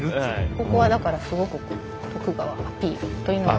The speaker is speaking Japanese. ここはだからすごく徳川アピールというのが。